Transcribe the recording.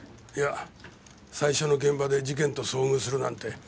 いや最初の現場で事件と遭遇するなんて